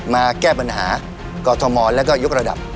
มาแก้ปัญหากรทมแล้วก็ยกระดับ